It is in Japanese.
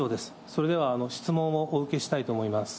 それでは質問をお受けしたいと思います。